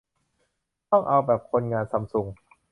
ต้องเอาแบบคนงานซัมซุง